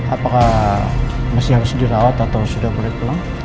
apakah masih harus dirawat atau sudah boleh pulang